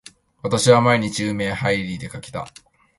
私は毎日海へはいりに出掛けた。